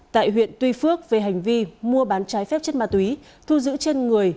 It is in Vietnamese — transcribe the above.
tại huyện tuy phước về hành vi mua bán trái phép chất ma túy thu giữ trên người